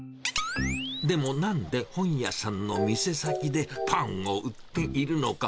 でもなんで本屋さんの店先で、パンを売っているのか。